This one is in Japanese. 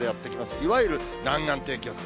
いわゆる南岸低気圧。